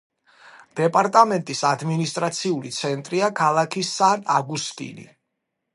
დეპარტამენტის ადმინისტრაციული ცენტრია ქალაქი სან-აგუსტინი.